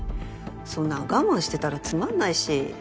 そんな我慢してたらつまんないし。